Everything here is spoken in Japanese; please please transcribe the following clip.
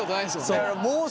そう。